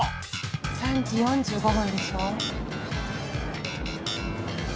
３時４５分でしょ。